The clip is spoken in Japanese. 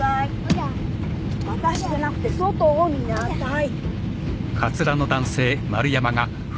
わたしじゃなくて外を見なさい！